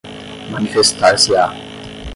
manifestar-se-á